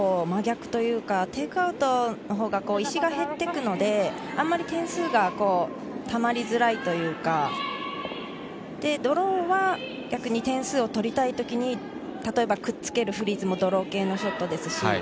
むしろ真逆というか、テイクアウトのほうがあまり点数がたまりづらいというか、ドローは逆に点数を取りたいときに例えばくっつけるフリーズもドロー系のショットです。